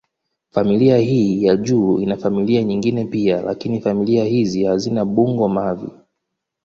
Familia hii ya juu ina familia nyingine pia, lakini familia hizi hazina bungo-mavi.